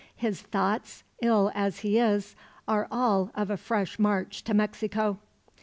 His thoughts, ill as he is, are all of a fresh march to Mexico."